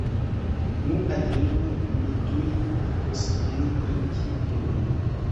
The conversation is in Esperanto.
Nu, atendu, mi tuj igos vin trinki vinon!